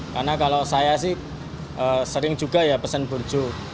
karena kalau saya sih sering juga ya pesen burjo